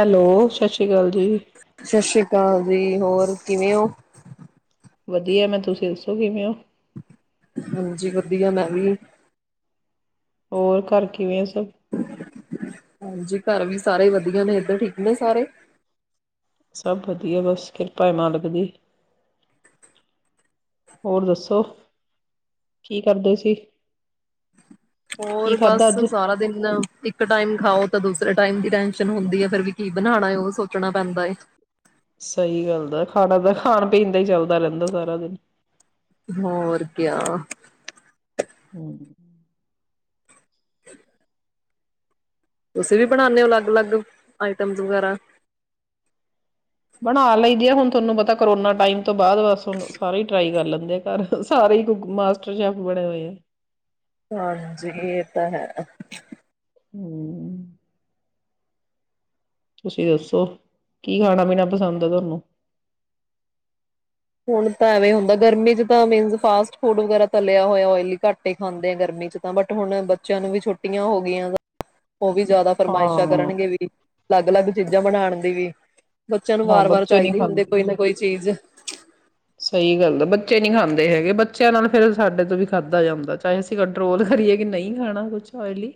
Hello ਸਤਿ ਸ੍ਰੀ ਅਕਾਲ ਜੀ ਸਤਿ ਸ੍ਰੀ ਅਕਾਲ ਜੀ ਹੋਰ ਕਿਵੇਂ ਹੋ ਵਧੀਆ ਮੈਂ ਤੁਸੀਂ ਦੱਸੋ ਕਿਵੇਂ ਹੋ ਹਾਂਜੀ ਵਧੀਆ ਮੈਂ ਵੀ ਹੋਰ ਘਰ ਕਿਵੇਂ ਸਬ [inaudible] ਹਾਂਜੀ ਘਰ ਵੀ ਸਾਰੇ ਵਧੀਆ ਨੇ ਇੱਧਰ ਠੀਕ ਨੇ ਸਾਰੇ ਸਭ ਵਧੀਆ ਬਸ ਕਿਰਪਾ ਏ ਮਾਲਕ ਦੀ, ਹੋਰ ਦੱਸੋ, ਕੀ ਕਰਦੇ ਸੀ। ਕੀ ਹੋਰ ਬਸ ਖਾਧਾ ਅੱਜ ਸਾਰਾ ਦਿਨ ਇੱਕ ਟਾਈਮ ਖਾਓ ਤਾਂ ਦੂਸਰੇ ਟਾਇਮ ਦੀ ਟੈਸ਼ਨ ਹੁੰਦੀ ਹੈ ਫਿਰ ਵੀ ਕੀ ਬਣਾਉਣਾ ਉਹ ਸੋਚਣਾ ਪੈਂਦਾ ਹੈ। ਸਹੀ ਗੱਲ ਦਾ ਖਾਣਾ ਤਾਂ ਖਾਣ ਪੀਣ ਦਾ ਹੀ ਚੱਲਦਾ ਰਹਿੰਦਾ ਸਾਰਾ ਦਿਨ ਹੋਰ ਕਿਆ ਹਮ [inaudible] ਤੁਸੀਂ ਵੀ ਬਣਾਦੇ ਹੋ ਅਲੱਗ ਅਲੱਗ ਆਈਟਮਸ ਵਗੈਰਾ ਬਣਾ ਲਈਦੀ ਆ ਹੁਣ ਤੁਹਾਨੂੰ ਪਤਾ ਕਰੋਨਾ ਟਾਈਮ ਤੋਂ ਬਾਅਦ ਬਸ ਹੁਣ ਸਾਰੇ ਹੀ ਟਰਾਈ ਕਰ ਲਿਆ ਸਾਡੇ ਘਰ ਸਾਰੇ ਹੀ ਮਾਸਟਰ ਸ਼ੈਫ ਬਣੇੇ ਹੋਏ ਆ ਹਾਂਜੀ, ਇਹ ਤਾਂ ਹੈ। ਹਮ ਤੁਸੀਂ ਦੱਸੋ, ਕੀ ਖਾਣਾ ਪੀਣਾ ਪਸੰਦ ਹੈ ਤੁਹਾਨੂੰ ਹੁਣ ਤਾਂ ਐ ਵੇ ਹੁੰਦਾ ਗਰਮੀ ਚ ਤਾਂ ਮੀਨਸ ਫਾਸਟ ਫੂਡ ਵਗੈਰਾ ਤਲਿਆ ਹੋਇਆ ਓਇਲੀ ਘੱਟ ਹੀ ਖਾਂਦੇ ਆ ਗਰਮੀ ਚ ਤਾਂ ਬਟ ਹੁਣ ਬੱਚਿਆਂ ਨੂੰ ਵੀ ਛੁਟੀਆਂ ਹੋ ਗਈਆਂ। ਉਹ ਵੀ ਜ਼ਿਆਦਾ ਫਰਮਾਇਸ਼ਾਂ ਹਾਂ ਕਰਨਗੇ ਵੀ ਅਲੱਗ - ਅਲੱਗ ਚੀਜ਼ਾਂ ਬਣਾਉਣ ਦੀ ਵੀ ਬੱਚਿਆਂ ਨੂੰ ਹਾਂ ਵਾਰ - ਵਾਰ ਬੱਚੇ ਨਹੀਂ ਚਾਹੀਦੀ ਹੁੰਦੀ ਕੋਈ ਖਾਂਦੇ ਨਾ ਕੋਈ ਚੀਜ਼ ਸਹੀ ਗੱਲ ਆ, ਬੱਚੇ ਨਹੀਂ ਖਾਂਦੇ ਹੈਗੇ ਬੱਚਿਆਂ ਨਾਲ ਫਿਰ ਸਾਡੇ ਤੋਂ ਵੀ ਖਾਧਾ ਜਾਂਦਾ ਚਾਹੇ ਅਸੀਂ ਕੰਟਰੋਲ ਕਰੀਏ ਕਿ ਨਹੀਂ ਖਾਣਾ ਕੁਛ ਓਇਲੀ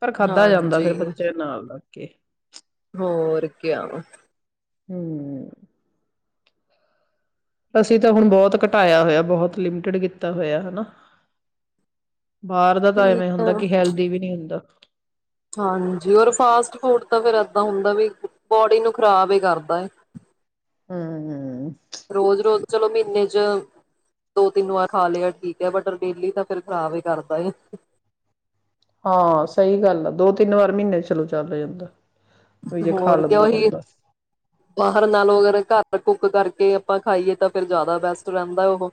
ਪਰ ਖਾਧਾ ਜਾਂਦਾ ਹਾਂਜੀ ਫਿਰ ਬੱਚਿਆਂ ਨਾਲ ਰੱਖ ਕੇ ਗਿਆ ਵ ਹਮ ਅਸੀ ਤਾਂ ਹੁਣ ਬਹੁਤ ਘਟਾਇਆ ਹੋਇਆ ਬਹੁਤ ਲਿਮਟਿਡ ਕੀਤਾ ਹੋਇਆ ਹਨਾ। ਬਾਹਰ ਦਾ ਤਾਂ ਐਵੇਂ ਠੀਕ ਹੁੰਦਾ, ਆ ਕਿ ਹੈਲਦੀ ਵੀ ਨਹੀਂ ਹੁੰਦਾ ਹਾਂਜੀ ਫਾਸਟ ਫੂਡ ਤਾਂ ਫਿਰ ਏਦਾਂ ਹੁੰਦਾ ਵੀ ਬੋਡੀ ਨੂੰ ਖ਼ਰਾਬ ਹੀ ਕਰਦਾ ਹੈ। ਹੂੰ ਰੋਜ਼ - ਰੋਜ਼ ਚਲੋ ਮਹੀਨੇ ਚ' ਦੋ, ਤਿੰਨ ਵਾਰ ਖਾ ਲਿਆ ਠੀਕ ਹੈ ਬਟ ਡੇਲੀ ਤਾਂ ਫਿਰ ਖ਼ਰਾਬ ਹੀ ਕਰਦਾ ਹਾਂ ਸਹੀ ਗੱਲ ਆ ਦੋ, ਤਿੰਨ ਵਾਰ ਮਹੀਨੇ ਚਲੋ ਚੱਲ ਜਾਂਦਾ ਵੀ ਜੇ ਖਾ ਹੋਰ ਕਿ ਲੈਂਦਾ ਉਹੀ, ਬੰਦਾ ਬਾਹਰ ਨਾਲੋਂ ਘਰ ਕੁਕ ਕਰਕੇ ਆਪਾਂ ਖਾਈਏ ਤਾਂ ਫਿਰ ਜ਼ਿਆਦਾ ਬੈਸਟ ਰਹਿੰਦਾ ਉਹ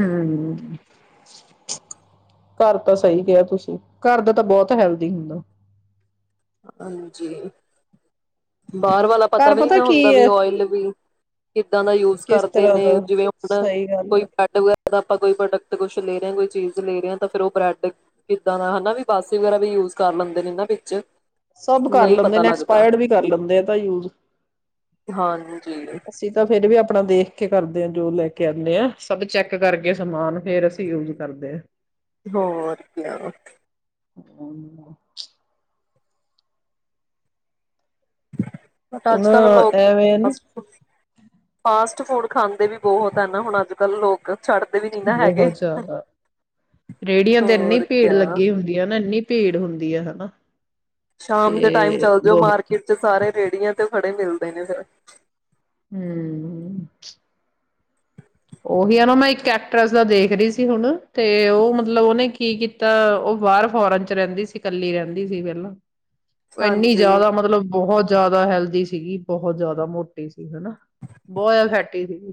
ਹਮ ਘਰ ਤਾਂ ਸਹੀ ਕਿਹਾ ਤੁਸੀਂ ਘਰ ਦਾ ਤਾਂ ਬਹੁਤ ਹੈਲਦੀ ਹੁੰਦਾ ਹਾਂਜੀ ਬਾਹਰ ਵਾਲਾ ਦਾ ਤਾਂ ਪਤਾ ਵੀ ਨਹੀ ਹੁੰਦਾ ਕੀ ਉਹ ੳਇਲ ਕਿੱਦਾਂ ਦਾ ਯੂਜ ਕਿਸ ਕਰਦੇ ਤਰ੍ਹਾਂ ਨੇ ਦਾ ਜਿਵੇਂ ਹੁਣ ਸਹੀ ਗੱਲ ਕੋਈ ਹੈ ਬਰੈਡ ਵਗੈਰਾ ਜਾਂ ਬਟਰ ਤੇ ਕੁਛ ਲੈ ਰੇ ਆ ਕੋਈ ਚੀਜ਼ ਲੈ ਰੇ ਆ ਫੇਰ ਉਹ ਬ੍ਰੈਡ ਕਿੱਦਾਂ ਦਾ ਹੈਨਾ ਬਾਸੀ ਵਗਰਾ ਵੀ ਯੂਜ ਕਰ ਲੈਂਦੇ ਨੇ ਵਿੱਚ ਸਭ ਕਰ ਨਹੀਂ ਲੈਂਦੇ ਪਤਾ ਨੇ ਲੱਗਦਾ ਐਕਸਪਾਇਰਡ ਵੀ ਕਰ ਲੈਂਦੇ ਆ ਤਾਂ ਯੂਜ ਹਾਂਜੀ ਅਸੀਂ ਤਾਂ ਫੇਿਰ ਵੀ ਆਪਣਾ ਦੇਖ ਕਰਦੇ ਹ ਜੋ ਲੈ ਕੇ ਆਉਂਦੇ ਹਾਂ ਸਭ ਚੈੱਕ ਕਰਕੇ ਸਮਾਨ ਫੇਰ ਅਸੀਂ ਯੂਜ ਕਰਦੇ ਹਾਂ ਹੋਰ ਕਿਆ ਹੁਣ ਨਾ ਬਟ ਹੁਣ ਅੱਜ ਕੱਲ ਲੋਕ ਐਵੇਂ ਨਾ ਫਾਸਟ ਫੂਡ ਫਾਸ ਫੂਡ ਖਾਂਦੇ ਵੀ ਬਹੁਤ ਹੈ ਨਾ ਹੁਣ ਅੱਜ ਕੱਲ੍ਹ ਲੋਕ ਛੱਡਦੇ ਵੀ ਨੀ ਨਾ ਹੈਗੇ ਬਹੁਤ ਜ਼ਿਆਦਾ ਰੇਹੜੀਆਂ ਤੇ ਇੰਨੀ ਹੋਰ ਭੀੜ ਕਿਆ ਲੱਗੀ ਹੁੰਦੀ ਹੈ ਨਾ ਇੰਨੀ ਭੀੜ ਹੁੰਦੀ ਹੈ ਹੈਨਾ ਸ਼ਾਮ ਦੇ ਟਾਈਮ ਚੱਲ ਜਾਓ ਮਾਰਕੀਟ ਚ ਸਾਰੇ ਰੇਹੜੀਆਂ ਤੇ ਖੜੇ ਮਿਲਦੇ ਨੇ ਫਿਰ ਹਮ [inaudible] ਉਹੀ ਆ ਨਾ ਮੈਂ ਇੱਕ ਐਕਟਰ੍ਰਸ ਦਾ ਦੇਖ ਰਹੀ ਸੀ ਹੁਣ ਤੇ ਉਹ ਮਤਲਬ ਉਹਨੇ ਕੀ ਕੀਤਾ ਉਹ ਬਾਹਰ ਫੋਰਨ ਚ ਰਹਿੰਦੀ ਸੀ ਕੱਲੀ ਰਹਿੰਦੀ ਸੀ ਪਹਿਲਾਂ ਉਹ ਇੰਨੀ ਹਾਂਜੀ ਜ਼ਿਆਦਾ ਮਤਲਬ ਬਹੁਤ ਜ਼ਿਆਦਾ ਹੈਲਦੀ ਸੀਗੀ ਬਹੁਤ ਜ਼ਿਆਦਾ ਮੋਟੀ ਸੀ ਹੈਨਾ ਬਹੁਤ ਜ਼ਿਆਦਾ ਫੈਟੀ ਸੀਗੀ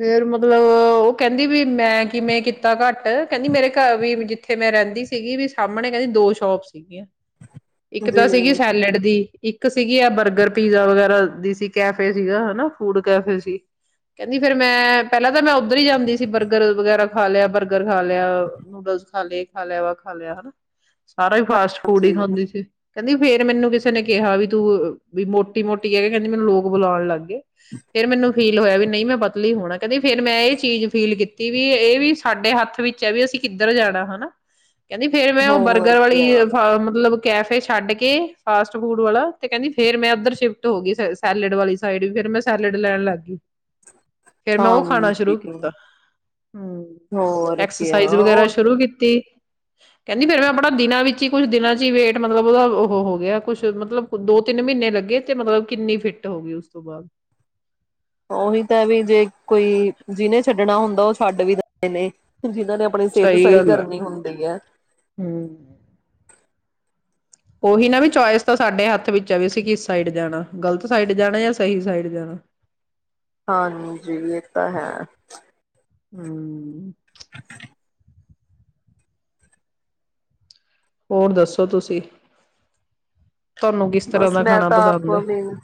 ਫੇਰ ਮਤਲਬ ਉਹ ਕਹਿੰਦੀ ਵੀ ਮੈਂ ਕਿਵੇਂ ਕੀਤਾ ਘੱਟ ਕਹਿੰਦੀ ਮੇਰੇ ਘਰ ਵੀ ਜਿੱਥੇ ਮੈਂ ਰਹਿੰਦੀ ਸੀਗੀ ਵੀ ਸਾਹਮਣੇ ਕਹਿੰਦੀ ਦੋ ਸ਼ੋਪ ਸੀਗੀਆਂ ਇੱਕ ਤਾਂ ਜੀ ਸੀਗੀ ਸੈਲਡ ਦੀ ਇੱਕ ਸੀਗੀ ਆ ਬਰਗਰ ਪੀਜ਼ਾ ਵਗੈਰਾ ਦੀ ਸੀ ਕੈਫੇ ਸੀਗਾ ਹੈਨਾ ਫੂਡ ਕੈਫੇ ਸੀ ਕਹਿੰਦੀ ਫਿਰ ਮੈਂ ਪਹਿਲਾਂ ਤਾਂ ਮੈਂ ਉੱਧਰ ਹੀ ਜਾਂਦੀ ਸੀ ਬਰਗਰ ਵਗੈਰਾ ਖਾ ਲਿਆ ਬਰਗਰ ਖਾ ਲਿਆ ਨੂਡਲਸ ਖਾ ਲਏ ਖਾ ਲਿਆ ਵਾ ਖਾ ਲਿਆ ਹੈਨਾ ਸਾਰਾ ਹੀ ਫਾਸਟ ਫੂਡ ਹੀ ਹਾਂਜੀ ਖਾਂਦੀ ਸੀ ਕਹਿੰਦੀ ਫੇਰ ਮੈਨੂੰ ਕਿਸੇ ਨੇ ਕਿਹਾ ਵੀ ਤੂੰ ਵੀ ਮੋਟੀ ਮੋਟੀ ਹੈ ਕਹਿੰਦੀ ਮੈਨੂੰ ਲੋਕ ਬੁਲਾਉਣ ਲੱਗ ਗਏ ਫਿਰ ਮੈਨੂੰ ਫੀਲ ਹੋਇਆ ਵੀ ਨਹੀਂ ਮੈਂ ਪਤ ਲੀ ਹੋਣਾ ਕਹਿੰਦੀ ਫੇਰ ਮੈਂ ਇਹ ਚੀਜ਼ ਫੀਲ ਕੀਤੀ ਵੀ ਇਹ ਵੀ ਸਾਡੇ ਹੱਥ ਵਿੱਚ ਹੈ ਵੀ ਅਸੀਂ ਕਿੱਧਰ ਜਾਣਾ ਹੈਨਾ ਕਹਿੰਦੀ ਫੇਰ ਮੈਂ ਉਹ ਹੋਰ ਬਰਗਰ ਵਾਲੀ ਕਿਆ ਥਾਂ ਮਤਲਬ ਕੈਫੇ ਛੱਡ ਕੇ ਫਾਸਟ ਫੂਡ ਵਾਲਾ ਤੇ ਕਹਿੰਦੀ ਫੇਰ ਮੈਂ ਇਧਰ ਸ਼ਿਫਟ ਹੋ ਗਈ ਸੈਲਡ ਵਾਲੀ ਸਾਈਡ ਵੀ ਫਿਰ ਮੈਂ ਸੈਲਡ ਲੈਣ ਲੱਗ ਗਈ ਫੇਰ ਮੈਂ ਉਹ ਖਾਣਾ ਹਾਂਜੀ ਸ਼ੁਰੂ ਕੀਤਾ ਹਮ ਹੋਰ ਕਿਆ ਐਕਸਰਸਾਈਜ਼ ਵਗੈਰਾ ਉਹ ਸ਼ੁਰੂ ਕੀਤੀ ਕਹਿੰਦੀ ਫੇਰ ਮੈਂ ਆਪਣਾ ਦਿਨਾਂ ਵਿੱਚ ਹੀ ਕੁਛ ਦਿਨਾਂ ਚ ਹੀ ਵੇਟ ਮਤਲਬ ਉਹਦਾ ਉਹ ਹੋ ਗਿਆ ਕੁਛ ਮਤਲਬ ਦੋ ਤਿੰਨ ਮਹੀਨੇ ਲੱਗੇ ਤੇ ਮਤਲਬ ਕਿੰਨੀ ਫਿੱਟ ਹੋ ਗਈ ਉਸ ਤੋਂ ਬਾਅਦ ਉਹੀ ਤਾਂ ਐ ਵੀ ਜੇ ਕੋਈ ਜਿਹਨੇ ਛੱਡ ਛੱਡਣਾ ਹੁੰਦਾ ਉਹ ਛੱਡ ਵੀ ਦਿੰਦੇ ਨੇ ਜਿਨਾਂ ਨੇ ਆਪਣੀ ਸਿਹਤ ਸਹੀ ਗੱਲ ਆ। ਕਰਨੀ ਹੁੰਦੀ ਹੈ ਹੂੰ। ਉਹੀ ਨਾ ਵੀ ਚੋਇਸ ਤਾਂ ਸਾਡੇ ਹੱਥ ਵਿੱਚ ਆ ਵੀ ਅਸੀਂ ਕਿਸ ਸਾਈਡ ਜਾਣਾ ਗ਼ਲਤ ਸਾਈਡ ਜਾਣਾ ਜਾਂ ਸਹੀ ਸਾਈਡ ਜਾਣਾ ਹਾਂਜੀ ਇਹ ਤਾਂ ਹੈ [inaudible] ਹੋਰ ਦੱਸੋ ਤੁਸੀਂ ਤੁਹਾਨੂੰ ਕਿਸ ਬਸ ਤਰ੍ਹਾਂ ਦਾ ਮੈਂ ਖਾਣਾ ਤਾਂ ਆਪ ਪਸੰਦ ਹੈ? ਮੀਨ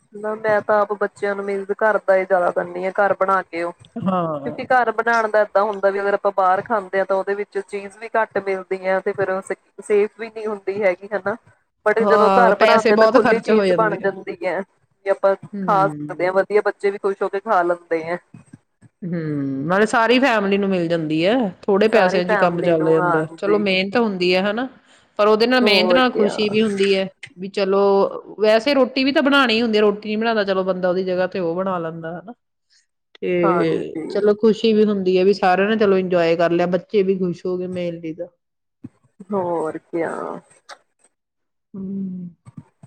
ਮੈਂ ਤਾਂ ਆਪ ਬੱਚਿਆਂ ਨੂੰ ਮੀਨ ਘਰ ਦਾ ਹੀ ਜ਼ਿਆਦਾ ਦਦੀ ਆ ਘਰ ਬਣਾ ਕੇ ਕਿਉਂਕਿ ਹਾਂ। ਘਰ ਬਣਾਉਣ ਦਾ ਏਦਾਂ ਹੁੰਦਾ ਅਗਰਾਂ ਬਾਹਰ ਖਾਂਦੇ ਹਾਂ ਤਾਂ ਉਹਦੇ ਵਿੱਚ ਚੀਜ਼ ਵੀ ਘੱਟ ਮਿਲਦੀ ਹੈ ਤੇ ਫਰ ਸੇਫ ਵੀ ਨੀ ਹੁੰਦੀ ਹੈਗੀ ਹਨਾ ਬੜੇ ਜਦੋਂ ਹਾਂ ਘਰ ਬਣਾਉਂ ਪੈਸੇ ਜਾਂ ਤਾਂ ਬਹੁਤ ਖੁੱਲੀ ਖ਼ਰਚ ਹੋ ਚੀਜ਼ ਬਣ ਜਾਂਦੇ ਆ। ਜਾਂਦੀ ਹੈ। ਵੀ ਆਪਾਂ ਖਾ ਸਕਦੇ ਹੂੰ। ਹਾਂ ਵਧੀਆ ਬੱਚੇ ਵੀ ਖ਼ੁਸ਼ ਹੋ। ਕੇ ਖਾ ਲੈਂਦੇ ਆ ਹਮ ਮਤਲਬ ਸਾਰੀ ਫੈਮਿਲੀ ਨੂੰ ਮਿਲ ਜਾਂਦੀ ਹੈ। ਥੋੜੇ ਸਾਰੀ ਪੈਸਿਆਂ ਚ ਕੰਮ ਫੈਮਲੀ ਚੱਲ ਨੂੰ ਜਾਂਦਾ ਚਲੋ ਹਾਂਜੀ ਮਿਹਨਤ ਹੁੰਦੀ ਆ ਹਨਾ ਪਰ ਉਹਦੇ ਨਾਲ ਮਿਹਨਤ ਹੋਰ ਨਾਲ ਕਿਆ ਖੁਸ਼ੀ ਵੀ ਹੁੰਦੀ ਹੈ। ਵੀ ਚਲੋ ਵੈਸੇ ਰੋਟੀ ਵੀ ਤਾਂ ਬਣਾਣੀ ਹੀ ਹੁੰਦੀ ਰੋਟੀ ਨੀ ਬਣਾਉਂਦਾ ਚਲੋ ਬੰਦਾ ਉਹਦੀ ਜਗ੍ਹਾ ਤੇ ਉਹ ਬਣਾ ਲੈਂਦਾ ਹਨਾ ਤੇ ਤੇ ਹਾਂਜੀ ਚਲੋ ਖੁਸ਼ੀ ਵੀ ਹੁੰਦੀ ਦੀ ਵੀ ਸਾਰਿਆਂ ਨੇ ਚਲੋ ਇੰਜੋਏ ਕਰ ਲਿਆ ਬੱਚੇ ਵੀ ਖੁਸ਼ ਹੋ ਗਏ ਮੇਲ ਲਈ ਤਾਂ ਹੋਰ ਕਿਆ [inaudible]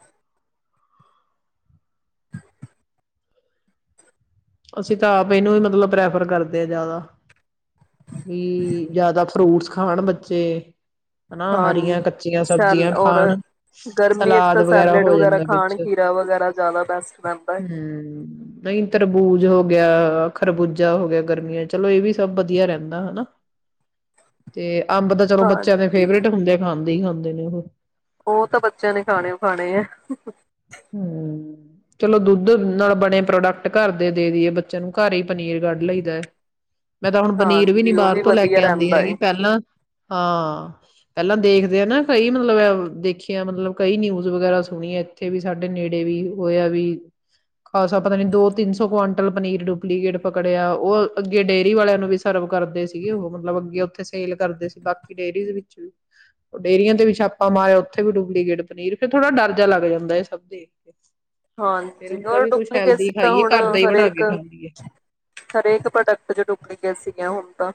ਅਸੀਂ ਤਾਂ ਆਪ ਇਹਨੂੰ ਹੀ ਮਤਲਬ ਪ੍ਰੈਫਰ ਕਰਦੇ ਹਾਂ ਜ਼ਿਆਦਾ ਵੀ ਜਿਆਦਾ ਫਰੂਟਸ ਖਾਣ ਬੱਚੇ ਹਨਾ, ਹਾਂ ਹਰੀਆਂ ਕੱਚੀਆਂ ਸੈਲ ਸਬਜ਼ੀਆਂ ਔਰ ਖਾਣ। ਗਰਮੀੀਆਂ ਚ ਸਲਾਦ ਤਾਂ ਸੈਲਡ ਹੋ ਵਗੈਰਾ ਜਾਂਦਾ ਵਿੱਚ। ਖਾਣ ਕੀਰਾ ਵਗੈਰਾ ਜ਼ਿਆਦਾ ਬੈਸਟ ਰਹਿੰਦਾ ਹੈ। ਬੂਜ ਹੋ ਗਿਆ ਖਰਬੂਜਾ ਹੋ ਗਿਆ ਗਰਮੀਆਂ ਚਲੋ ਇਹ ਵੀ ਸਭ ਵਧੀਆ ਰਹਿੰਦਾ ਹਨਾ ਤੇ ਅੰਬ ਤਾਂ ਚਲੋ ਬੱਚਿਆਂ ਦੇ ਹਾਂਜੀ ਫੇਵਰੇਟ ਹੁੰਦੇ ਆ ਖਾਂਦੇ ਹੀ ਹਨ ਹੁੰਦੇ ਨੇ ਉਹ ਉਹ ਤਾਂ ਬੱਚਿਆਂ ਨੇ ਖਾਣੇ ਖਾਣੇ ਆ ਹਮ ਚਲੋ ਦੁੱਧ ਨਾਲ ਬਣੇ ਪ੍ਰੋਡਕਟ ਘਰ ਦੇ ਦੇ ਦੀਈਏ ਬੱਚਿਆਂ ਨੂੰ ਘਰ ਹੀ ਪਨੀਰ ਕੱਢ ਲਈ ਦਾ ਹੈ। ਮੈਂ ਤਾਂ ਹੁਣ ਪਨੀਰ ਵੀ ਨੀ ਹਾਂਜੀ ਉਹ ਬਾਹਰ ਤੋਂ ਲੈ ਵਧੀਆ ਕੇ ਆਉਂਦੀ ਰਹਿੰਦਾ ਹੈਗੀ ਏ ਪਹਿਲਾਂ ਹਾਂ ਪਹਿਲਾਂ ਦੇਖਦੇ ਆ ਨਾ ਕਈ ਮਤਲਬ ਦੇਖੀਆਂ ਮਤਲਬ ਕਈ ਨਿਊਜ਼ ਵਗੈਰਾ ਸੁਣੀਆਂ ੇ ਵੀ ਸਾਡੇ ਨੇੜੇ ਵੀ ਹੋਇਆ ਵੀ ਖਾਸਾ ਪਤਾ ਨੀ ਦੋ ਤਿੰਨ ਸੌ ਕੁਆਂਟਲ ਪਨੀਰ ਡੁਪਲੀਕੇਟ ਪਕੜਿਆ ਉਹ ਅੱਗੇ ਡੇਅਰੀ ਵਾਲਿਆਂ ਨੂੰ ਵੀ ਸਰਵ ਕਰਦੇ ਸੀਗੇ ਉਹ ਮਤਲਬ ਅੱਗੇ ਉੱਥੇ ਸੇਲ ਕਰਦੇ ਸੀ ਬਾਕੀ ਡੇਅਰੀ ਵਿੱਚ ਵੀ ਡੇਅਰੀਆਂ ਤੇ ਵੀ ਛਾਪਾ ਮਾਰਿਆ ਉੱਥੇ ਵੀ ਡੁਪਲੀਕੇਟ ਪਨੀਰ ਫੇਰ ਥੋੜਾ ਡਰ ਜਿ ਲੱਗ ਜਾਂਦਾ ਹੁੰਦਾ ਸਭ ਦੇ ਹਾਂਜੀ ਰ ਡੁਪਲੀਕੇਸੀ ਤਾਂ ਖਾਈਏ ਹੁਣ ਘਰ ਦਾ ਹੀ ਬਣਾ ਹਰੇਕ ਕੇ ਖਾ ਲਈਏ ਹਰੇਕ ਪ੍ਰੋਡਕਟ ਚ ਡੁਪਲੀਕੇ ਸੀ ਹੈ। ਹੁਣ ਤਾਂ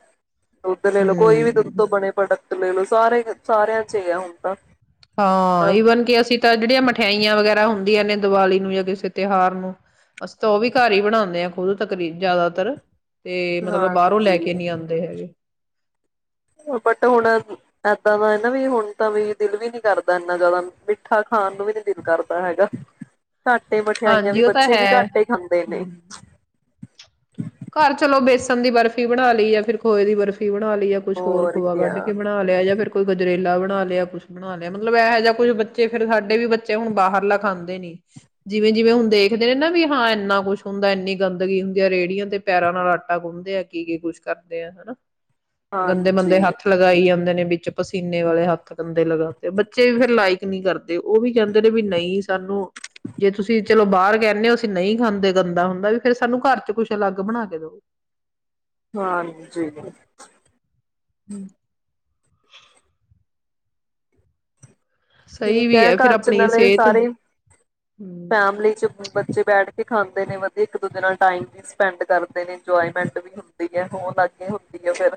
ਦੁੱਧ ਲੈ ਲਓ ਕੋਈ ਵੀ ਦੁੱਧ ਹਮ ਤੋਂ ਬਣੇਡ ਮੈ ਲੂੰ ਸਾਰੇ ਸਾਰਿਆਂ ਚ ਆ ਹੁਣ ਤਾਂ ਹਾਂ ਈਵਨ ਕਿ ਅਸੀਂ ਤਾਂ ਜਿਹੜੀਆਂ ਮਠਿਆਈਆਂ ਵਗੈਰਾ ਹੁੰਦੀਆਂ ਨੇ ਦੀਵਾਲੀ ਨੂੰ ਜਾਂ ਕਿਸੇ ਤਿਉਹਾਰ ਨੂੰ ਅਸੀਂ ਤਾਂ ਉਹ ਵੀ ਘਰ ਹੀ ਬਣਾਉਂਦੇ ਹਾਂ ਖੁਦ ਤਕਰੀ ਜ਼ਿਆਦਾਤਰ ਤੇ' ਮਤਲਬ ਬਾਹਰੋਂ ਹਾਂਜੀ ਲੈ ਕੇ ਨਹੀਂ ਆਉਂਦੇ ਬਟ ਹੁਣ ਏਦਾਂ ਦਾ ਨਾ ਵੀ ਹੁਣ ਤਾਂ ਵੀ ਦਿਲ ਵੀ ਨੀ ਕਰਦਾ ਇੰਨਾ ਜ਼ਿਆਦਾ ਮਿੱਠਾ ਖਾਣ ਨੂੰ ਵੀ ਨੀ ਦਿਲ ਕਰਦਾ ਹੈਗਾ ਘਾਟੇ ਮਠਿਆਈਆਂ ਵੀ ਹਾਂਜੀ ਉਹ ਤਾਂ ਬੱਚੇ ਵੀ ਹੈ ਘਾਟੇ ਖਾਂਦੇ ਨੇ ਹੂੰ। ਘਰ ਚਲੋ ਬੇਸਣ ਦੀ ਬਰਫ਼ੀ ਬਣਾ ਲਈ ਜਾਂ ਫਿਰ ਖੋਏ ਦੀ ਬਰਫ਼ੀ ਬਣਾ ਲਈ ਕੁਛ ਹੋਰ ਖੋਆ ਕੱਢ ਕੇ ਬਣਾ ਲਿਆ ਜਾਂ ਫਿਰ ਕੋਈ ਗਜਰੇਲਾ ਬਣਾ ਲਿਆ ਕੁਛ ਬਣਾ ਲਿਆ ਮਤਲਬ ਇਹੋ ਜਿਹਾ ਕੁੱਛ ਬੱਚੇ ਫੇਰ ਸਾਡੇ ਵੀ ਬੱਚੇ ਹੁਣ ਬਾਹਰ ਲਿਖਾਂਂਦੇ ਨੀ, ਜਿਵੇਂ- ਜਿਵੇਂ ਹੁਣ ਦੇਖਦੇ ਨੇ ਨਾ ਵੀ ਹਾਂ ਇੰਨਾ ਕੁਛ ਹੁੰਦਾ ਇੰਨੀ ਗੰਦਗੀ ਹੁੰਦੀ ਆ ਰੇਹੜੀਆਂ ਤੇ ਪੈਰਾਂ ਨਾਲ ਆਟਾ ਗੁੰਨਦੇ ਆ ਕੀ ਕੀ ਕੁੱਛ ਕਰਦੇ ਆ ਹਨਾ ਗੰਦੇ, ਮੰਦੇ ਹਾਂਜੀ ਹੱਥ ਲਗਾਈ ਜਾਂਦੇ ਨੇ ਵਿੱਚ ਪਸੀਨੇ ਵਾਲੇ ਹੱਥ ਗੰਦੇ ਲਗਾ ਤੇ ਬੱਚੇ ਵੀ ਫਿਰ ਲਾਈਕ ਨਹੀਂ ਕਰਦੇ ਉਹ ਵੀ ਕਹਿੰਦੇ ਨੇ ਵੀ ਨਹੀਂ ਸਾਨੂੰ ਜੇ ਤੁਸੀਂ ਚਲੋ ਬਾਹਰ ਕਹਿੰਦੇ ਹੋ ਅਸੀਂ ਨਹੀਂ ਖਾਂਦੇ ਗੰਦਾ ਹੁੰਦਾ, ਵੀ ਫਿਰ ਸਾਨੂੰ ਘਰ ਚ ਕੁੱਛ ਅਲੱਗ ਬਣਾ ਕੇ ਦਉ ਹਾਂਜੀ [inaudible] ਸਹੀ ਠੀਕ ਵੀ ਹੈ ਫਿਰ ਘਰ ਚ' ਆਪਣੀ ਨਾਲੇ ਸਿਹਤ ਸਾਰੇ ਹਮ ਫੈਮਲੀ ਚ' ਬੱਚੇ ਬੈਠ ਕੇ ਖਾਂਦੇ ਨੇ ਵਧੀਆ ਇੱਕ ਦੂਜੇ ਨਾਲ ਟਾਈਮ ਵੀ ਸਪੈਂਡ ਕਰਦੇ ਨੇ ਇੰਜੋਏਮੈਂਟ ਵੀ ਹੁੰਦੀ ਹੈ ਹੋ ਲੱਗੇ ਹੁੰਦੀ ਹੈ ਫਿਰ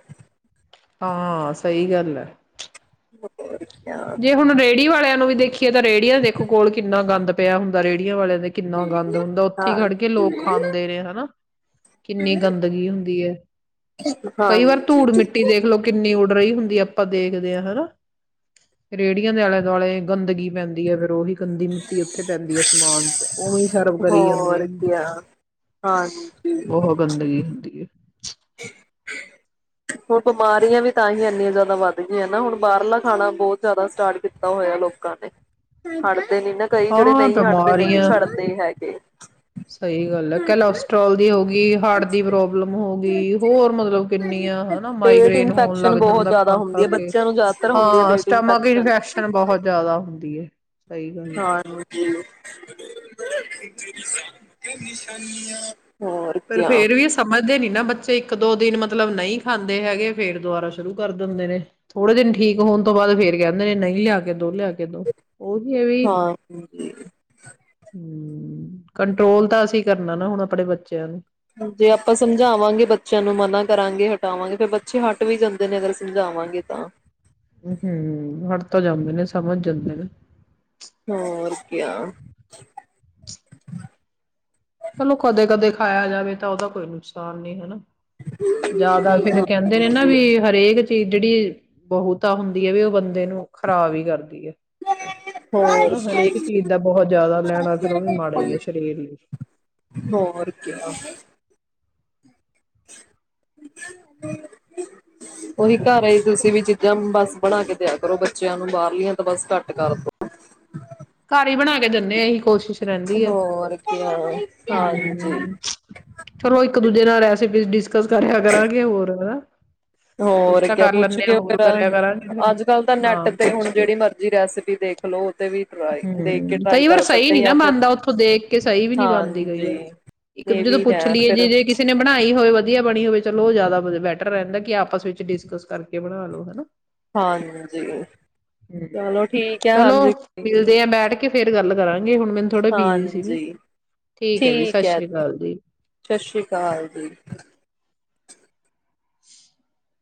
ਹਾਂ, ਸਹੀ ਗੱਲ ਹੈ [inaudible] ਜੇ ਹੁਣ ਰੇਹੜੀ ਵਾਲਿਆਂ ਨੂੰ ਨੂੰ ਵੀ ਦੇਖੀਏ ਤਾਂ ਰੇਹੜੀਆ ਦੇਖੋ ਕੋਲ ਕਿੰਨਾ ਗੰਦ ਪਿਆ ਹੁੰਦਾ ਰੇਹੜੀਆਂ ਵਾਲਿਆਂ ਦਾ ਕਿੰਨਾ ਗੰਦ ਹੁੰਦਾ ਉੱਥੇ ਖੜ ਕੇ ਲੋਕ ਹਾਂਜੀ ਖਾਂਦੇ ਨੇ ਹਨਾ ਕਿੰਨੀ ਗੰਦਗੀ ਹੁੰਦੀ ਹੈ। ਕਈ ਵਾਰ ਹਾਂਜੀ ਧੂੜ, ਮਿੱਟੀ ਦੇਖਲੋ ਕਿੰਨੀ ੳਡੱ ਰਹੀ ਹੁੰਦੀ ਆਪਾਂ ਦੇਖਦੇ ਹਾਂ। ਹਨਾ ਰੇਹੜੀਆਂ ਦੇ ਆਲੇ- ਦੁਆਲੇ ਗੰਦਗੀ ਪੈਂਦੀ ਹੈ ਫੇਰ ਉਹੀ ਗੰਦੀ ਮਿੱਟੀ ਉੱਥੇ ਪੈਂਦੀ ਹੈ ਸਮਾਨ ਚ' ਉਵੇਂ ਸਰਵ ਕਰੀ ਜਾਂਦੇ ਆ। ਹੋਰ ਕਿਆ ਹਾਂਜੀ ਬਹੁਤ ਗੰਦਗੀ ਹੁੰਦੀ ਹੈ ਹੁਣ ਬਿਮਾਰੀਆਂ ਵੀ ਤਾਂ ਹੀ ਐਨੀਆਂ ਜਿਆਦਾ ਵੱਧ ਗਈਆਂ ਨਾ ਹੁਣ ਬਾਹਰਲਾ ਖਾਣਾ ਬਹੁਤ ਜ਼ਿਆਦਾ ਸਟਾਰਟ ਕੀਤਾ ਹੋਇਆ ਲੋਕਾਂ ਨੇ ਖ ਦੇ ਨ ਨਾ ਕਈ ਜਿਹੜੇ ਹਾਂ ਨਹੀਂ ਹਟਦੇ ਨਹੀਂ ਬਿਮਾਰੀਆਂ ਛੱਡਦੇ ਹੈਗੇ ਸਹੀ ਗੱਲ ਹੈ, ਕਲੋਸਟਰ੍ਰੋਲ ਦੀ ਹੋ ਗਈ ਹਾਰਟ ਦੀ ਪ੍ਰੋਬਲਮ ਹੋ ਗਈ ਹੋਰ ਮਤਲਬ ਕਿੰਨੀ ਆ ਹਨਾ ਪੇਟ ਮਾਈਗ੍ਰੇਨ ਹੋਣ ਲੱਗ ਇਨਫੈਕਸ਼ਨ ਬਹੁਤ ਜਾਂਦਾ ਜ਼ਿਆਦਾ ਹੁੰਦੀ ਖਾ-ਖਾ ਹੈ ਕੇ ਬੱਚਿਆਂ ਨੂੰ ਜ਼ਿਆਦਾਤਰ ਹੁੰਦੀ ਹੈ ਹਾਂ। ਪੇਟ ਸਟਮਕ ਇਨਫੈਕਸ਼ਨ ਬਹੁਤ ਜ਼ਿਆਦਾ ਹੁੰਦੀ ਹੈ ਸਹੀ ਗੱਲ ਹੈ ਹਾਂਜੀ ਨਿਸ਼ਾਨੀਆਂ ਪਰ ਫੇਰ ਵੀ ਸਮਝਦੇ ਨੀ ਨਾ ਬੱਚੇ ਇੱਕ ਦੋ ਦਿਨ ਮਤਲਬ ਨਹੀਂ ਖਾਂਦੇ ਹੈਗੇ ਫੇਰ ਦੁਬਾਰਾ ਸ਼ੁਰੂ ਕਰ ਦਿੰਦੇ ਨੇ ਥੋੜੇ ਦਿਨ ਠੀਕ ਹੋਣ ਤੋਂ ਬਾਅਦ ਫੇਰ ਕਹਿੰਦੇ ਨੇ ਨਹੀਂ ਲਿਆ ਕੇ ਦੋ ਲਿਆ ਕੇ। ਕਿਦੋਂ ਉਹੀ ਹੈ ਇਵੇ, ਹਾਂਜੀ [unintelligible] ਕੰਟਰੋਲ ਤਾਂ ਅਸੀਂ ਕਰਨਾ ਨਾ ਹੁਣ ਆਪਣੇ ਬੱਚੇ [inaudible] ਜੇ ਆਪਾਂ ਸਮਝਾਵਾਂਗੇ ਬੱਚਿਆਂ ਨੂੰ ਮਨਾ ਕਰਾਂਗੇ ਹਟਾਵਾਂਗੇ ਫੇਿਰ ਬੱਚੇ ਹਟ ਵੀ ਜਾਂਦੇ ਨੇ ਅਗਰ ਸਮਝਾਵਾਂਗੇ ਤਾਂ ਹਮ ਹੜ ਤੋਂ ਜਾਂਦੇ ਨੇ ਸਮਝ ਜਾਂਦੇ ਨੇ ਹੋਰ ਕਿਆ ਚਲੋ ਕਦੇ ਕਦੇ ਖਾਇਆ ਜਾਵੇ ਤਾਂ ਉਹਦਾ ਕੋਈ ਨੁਕਸਾਨ ਨੀ ਹਨਾ ਜ਼ਿਆਦਾ ਫੇਰ ਕਹਿੰਦੇ ਨੇ ਨਾ ਹਾਂਜੀ ਵੀ ਹਰੇਕ ਚ ਜਿਹੜੀ ਬਹੁਤ ਤਾਂ ਹੁੰਦੀ ਹੈ ਵੀ ਉਹ ਬੰਦੇ ਨੂੰ ਖ਼ਰਾਬ ਹੀ ਕਰਦੀ ਹੈ। [inaudible] ਹਨਾ ਹਰੇਕ ਚੀਜ਼ ਦਾ ਬਹੁਤ ਜ਼ਿਆਦਾ ਲੈਣਾ ਫਿਰ ਉਹ ਵੀ ਮਾੜਾ ਹੀ ਆ ਸਰੀਰ ਲਈ ਹੋਰ ਉਹਦੀ [inaudible] ਘਰ ਹੀ ਤੁਸੀਂ ਵੀ ਚੀਜ਼ਾਂ ਬਸ ਬਣਾ ਕੇ ਦਿਆ ਕਰੋ ਬੱਚਿਆਂ ਨੂੰ ਬਾਹਰਲੀਆਂ ਤਾਂ ਬਸ ਘੱਟ ਕਰਦੋ ਘਰ ਹੀ ਬਣਾ ਕੇ ਜਦੇ ਇਹੀ ਕੋਸ਼ਿਸ਼ ਰਹਿੰਦੀ ਹੈ ਹੋਰ ਕਿਆ ਹਾਂਜੀ ਹਮ ਚਲੋ ਇੱਕ ਦੂਜੇ ਨਾਲ ਐਸੇ ਕਰਿਆ ਕਰਾਂਗੇ ਹੋਰ ਕੁਛ ਹੋਰ ਤਾਂ ਕਿਆ ਕਰ ਪੁੱਛ ਲੈਂਦੇ ਆ ਕੇ ਹੋਰ ਫੇਿਰ ਕਰਿਆ ਕਰਾਂਗੇ ਫਿਰ ਅੱਜ ਕੱਲ ਤਾਂ ਨੈੱਟ ਹਾਂ ਤੇ ਪੁੱਛ ਹੁਣ ਜਿਹੜੀ ਮਰਜ਼ੀ ਰੈਸਪੀ ਦੇਖਲੋ ਉਹ ਤੇ ਵੀ ਟਰਾਈ ਦੇਖ ਕੇ ਹਮ ਟਰਾਈ ਕਈ ਵਾਰ ਕਰ ਸਹੀ ਸਕਦੇ ਨੀ ਨਾ ਜਾਂ ਫਿਰ ਬਣਦਾ ਉੱਥੋਂ ਦੇਖ ਕੇ ਸਹੀ ਵੀ ਨੀ ਬਣਦੀ ਕਈ ਹਾਂਜੀ ਵਾਰ ਇੱਕ ਇਹ ਦੂਜੇ ਤੋਂ ਵੀ ਪੁੱਛ ਹੈ ਲਈਏ ਜੇ ਫਿਰ ਜੇ ਕਿਸੇ ਨੇ ਬਣਾਈ ਹੋਵੇ ਵਧੀਆ ਬਣੀ ਹੋਵੇ ਚਲੋ ਉਹ ਜ਼ਿਆਦਾ ਬੈਟਰ ਰਹਿੰਦਾ ਕਿ ਆਪਸ ਵਿੱਚ ਡਿਸਕਸ ਕਰਕੇ ਬਣਾ ਲੋ ਹਨਾ। ਹਾਂਜੀ ਹੂੰ ਚਲੋ ਠੀਕ ਹੈ। ਚਲੋ ਹਾਂਜੀ ਮਿਲਦੇ ਆ ਬੈਠ ਕੇ ਫੇਰ ਗੱਲ ਕਰਾਂਗੇ, ਹੁਣ ਮੈਨੂੰ ਥੋੜਾ ਬਿਜੀ ਸੀਗੀ ਹਾਂਜੀ ਠੀਕ ਹੈ ਜੀ, ਸਤਿ ਸ੍ਰੀ ਅਕਾਲ ਜੀ। ਸਤਿ ਸ਼੍ਰੀ ਅਕਾਲ ਜੀ। [inaudible]